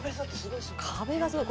壁がすごい。